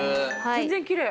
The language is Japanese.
全然きれい。